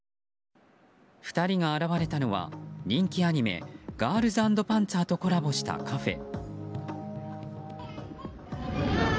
２人が現れたのは、人気アニメ「ガールズ＆パンツァー」とコラボしたカフェ。